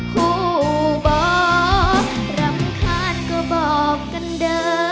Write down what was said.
คู่บ่รำคาญก็บอกกันเด้อ